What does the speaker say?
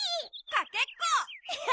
かけっこ！